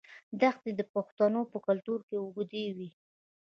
دښمني د پښتنو په کلتور کې اوږده وي.